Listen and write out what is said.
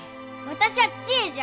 私は千恵じゃ。